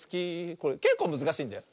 これけっこうむずかしいんだよ。